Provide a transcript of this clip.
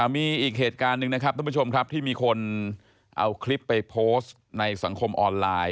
มีอีกเหตุการณ์หนึ่งที่มีคนเอาคลิปไปโพสต์ในสังคมออนไลน์